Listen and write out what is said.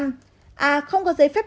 a không có giấy phép